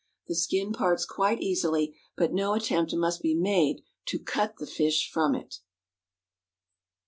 The skin parts quite easily, but no attempt must be made to cut the fish from it.